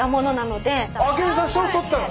明美さん賞取ったの！？